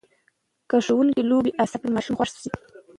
که ښوونکي لوبې اسانه کړي، ماشوم خوښ شي.